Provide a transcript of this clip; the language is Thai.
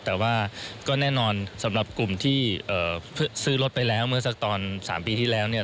แต่ว่าก็แน่นอนสำหรับกลุ่มที่ซื้อรถไปแล้วเมื่อสักตอน๓ปีที่แล้วเนี่ย